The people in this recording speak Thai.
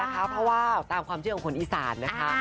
เพราะว่าตามความเชื่อของคนอีสานนะคะ